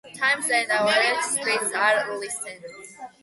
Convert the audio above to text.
Times and average speeds are listed.